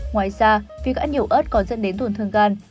ngoài ra việc ăn nhiều ớt còn dẫn đến tổn thương gan